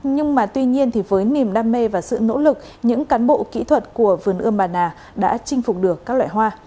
nhưng mà tuy nhiên thì với niềm đam mê và sự nỗ lực những cán bộ kỹ thuật của vườn ươm bà nà đã chinh phục được các loại hoa